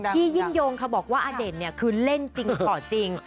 พี่ยิ่งยงค่ะบอกว่าอเด่นเนี่ยคือเล่นจริงขอจริง